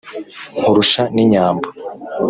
Nkurusha n'inyambo,